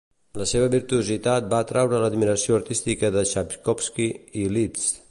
La seva virtuositat va atreure l'admiració artística de Txaikovski i Liszt.